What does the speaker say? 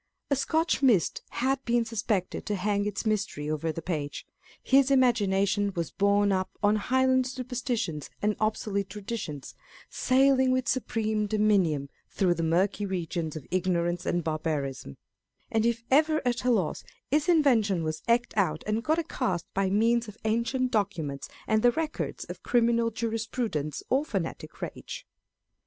A Scotch mist had been sus pected to hang its mystery over the page ; his imagination was borne up on Highland superstitions and obsolete traditions, " sailing with supreme dominion " through the murky regions of ignorance and barbarism ; and if ever at a loss, his invention was eked out and got a cast by means of ancient documents and the records of criminal jurisprudence or fanatic rage.